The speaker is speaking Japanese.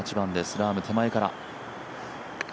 ラーム、手前から。